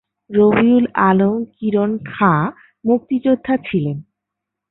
রবিউল আলম কিরণ খাঁ মুক্তিযোদ্ধা ছিলেন।